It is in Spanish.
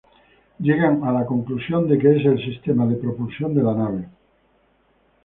Llegan a la conclusión de que es el sistema de propulsión de la nave.